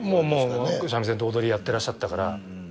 もう三味線と踊りやってらっしゃったから。